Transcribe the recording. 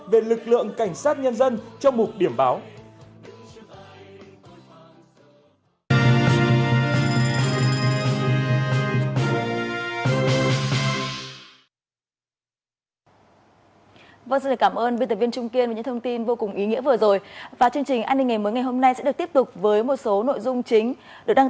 về lực lượng cảnh sát nhân dân